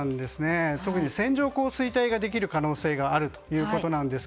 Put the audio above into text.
特に線状降水帯ができる可能性があるということす。